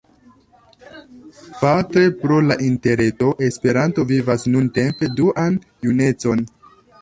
Parte pro la Interreto, Esperanto vivas nuntempe duan junecon.